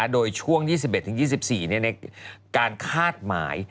โดยช่วง๒๑๒๔ในการคาดหมาย